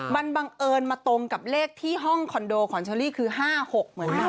มันบังเอิญมาตรงกับเลขที่ห้องคอนโดของเชอรี่คือ๕๖เหมือนกัน